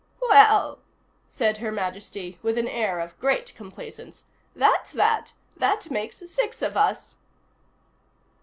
"Well," said Her Majesty with an air of great complacence, "that's that. That makes six of us."